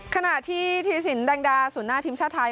ขณะที่ธุรกิจสินแดงดาสู่หน้าทิมชาติไทย